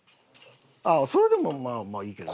それでもまあまあいいけどな。